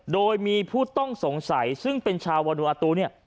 โดยมีผู้ต้องสงสัยซึ่งเป็นชาววานูอาตูเนี่ย